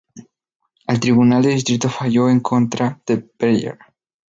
El tribunal de distrito falló en contra de Breyer.